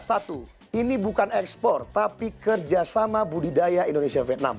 satu ini bukan ekspor tapi kerjasama budidaya indonesia vietnam